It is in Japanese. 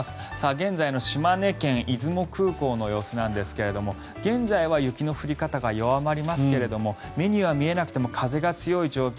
現在の島根県・出雲空港の様子なんですが現在は雪の降り方が弱まりますが目には見えなくても風が強い状況